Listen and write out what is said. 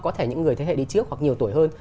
có thể những người thế hệ đi trước hoặc nhiều tuổi hơn